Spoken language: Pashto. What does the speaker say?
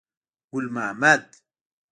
ګل محمد.